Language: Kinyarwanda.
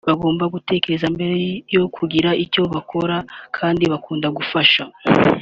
babanza gutekereza mbere yo kugira icyo bakora kandi bakunda gufasha